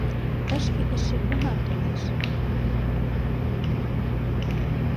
— Тышке эше уна толеш!